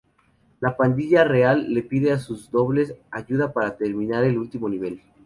La pandilla real le pide a sus dobles ayuda para terminar el último nivel.